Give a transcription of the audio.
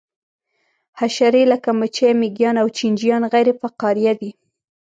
حشرې لکه مچۍ مېږیان او چینجیان غیر فقاریه دي